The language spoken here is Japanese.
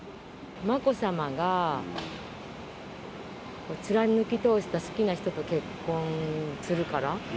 眞子さまが貫き通した好きな人と結婚するから。